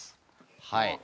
はい。